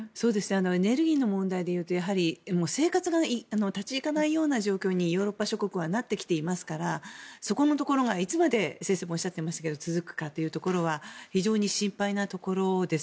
エネルギーの問題で言うと生活が立ち行かないような状況にヨーロッパ諸国はなってきていますから先生もおっしゃっていましたがそこのところがいつまで続くか非常に心配なところです。